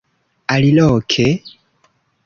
Aliloke?